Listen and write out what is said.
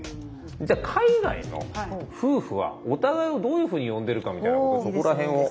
じゃあ海外の夫婦はお互いをどういうふうに呼んでるかみたいなことそこら辺を。